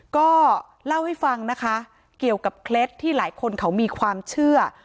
ก็เล่าให้ฟังนะคะเกี่ยวกับเคล็ดที่หลายคนเขามีความเชื่อ